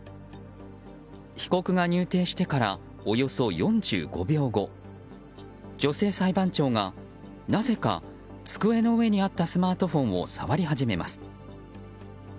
被告が入廷してからおよそ４５秒後女性裁判長が、なぜか机の上にあったスマートフォンを触り始めます。